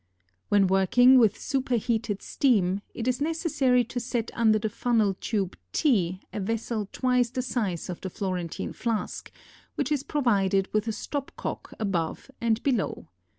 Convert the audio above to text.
When working with superheated steam, it is necessary to set under the funnel tube T a vessel twice the size of the Florentine flask, which is provided with a stop cock above and below.